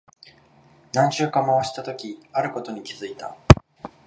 何周か回したとき、あることに気づいた。